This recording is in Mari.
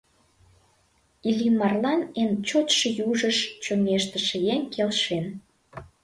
Иллимарлан эн чотшо южыш чоҥештыше еҥ келшен.